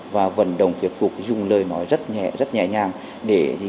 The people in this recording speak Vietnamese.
và vận động kiệt cuộc dùng lời nói rất nhẹ nhàng